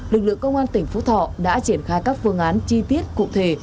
lực lượng công an tỉnh phú thọ đã triển khai các phương án chi tiết cụ thể